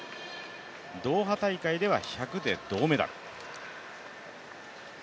ドーハ大会では１００で銅メダル。